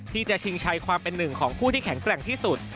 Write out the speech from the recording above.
ชิงชัยความเป็นหนึ่งของผู้ที่แข็งแกร่งที่สุด